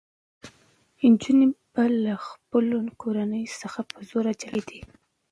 نجونې به له خپلو کورنیو څخه په زور جلا کېدې.